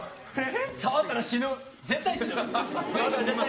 触ったら絶対死ぬ。